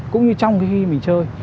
cũng như trong khi mình chơi